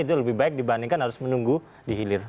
itu lebih baik dibandingkan harus menunggu dihilir